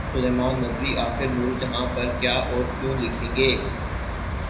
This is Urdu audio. سلیمان ندوی آخر نورجہاں پر کیا اور کیوں لکھیں گے؟